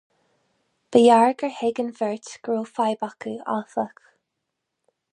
Ba ghearr gur thuig an bheirt go raibh fadhb acu, áfach.